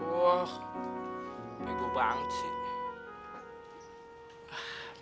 wah pego banget sih